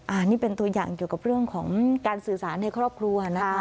อันนี้เป็นตัวอย่างเกี่ยวกับเรื่องของการสื่อสารในครอบครัวนะคะ